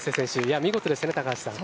見事でしたね高橋さん。